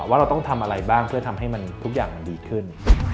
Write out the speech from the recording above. ว่าเราต้องทำอะไรบ้างเพื่อทำให้ทุกอย่างมันดีขึ้น